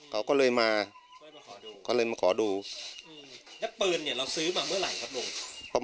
ซื้อที่กรุงเทพฯวังบุรพา